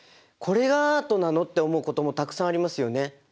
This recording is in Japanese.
「これがアートなの？」って思うこともたくさんありますよね。